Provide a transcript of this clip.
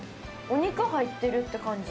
お肉入ってるって感じ。